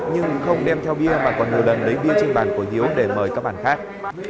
nhưng không đem theo bia và còn nhiều lần lấy bia trên bàn của hiếu để mời các bạn khác